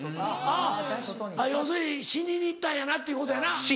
あっ要するに死にに行ったんやなっていうことやな。